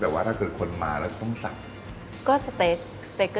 เป็นกุ้งดำไปแล้วนะคะ